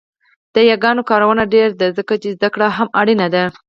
د یاګانو کارونه ډېره ده ځکه يې زده کړه هم اړینه ده